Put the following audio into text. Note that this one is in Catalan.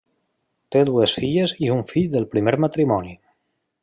Té dues filles i un fill del primer matrimoni.